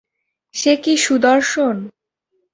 সে কি সুদর্শন?